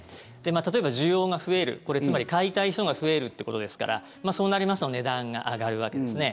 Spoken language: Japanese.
例えば、需要が増えるこれ、つまり買いたい人が増えるということですからそうなりますと値段が上がるわけですね。